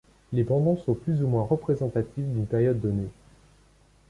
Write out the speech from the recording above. Les bandeaux sont plus ou moins représentatifs d'une période donnée.